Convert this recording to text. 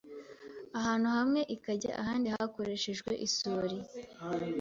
ahantu hamwe ikajya ahandi hakoreshejwe isuri